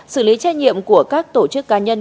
xử lý trách nhiệm của các tổ chức cá nhân